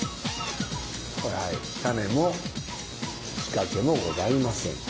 タネも仕掛けもございません。